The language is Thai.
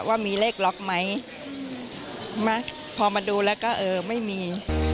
ว่ามีเลขล็อกไหมพอมาดูแล้วก็เออไม่มี